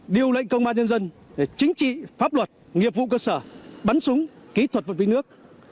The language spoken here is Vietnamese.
điều lệnh công an nhân dân chính trị pháp luật nghiệp vụ cơ sở bắn súng kỹ thuật vật vi nước